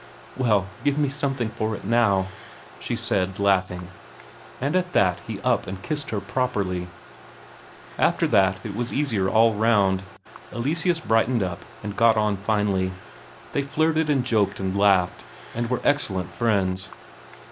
"Well, give me something for it, now," she said, laughing. And at that he up and kissed her properly. After that it was easier all round; Eleseus brightened up, and got on finely. They flirted and joked and laughed, and were excellent friends.